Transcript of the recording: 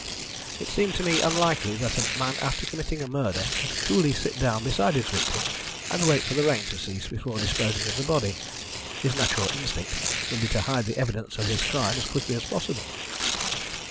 It seemed to me unlikely that a man after committing a murder would coolly sit down beside his victim and wait for the rain to cease before disposing of the body. His natural instinct would be to hide the evidence of his crime as quickly as possible.